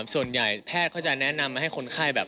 ส่วนใหญ่แพทย์เขาจะแนะนำมาให้คนไข้แบบ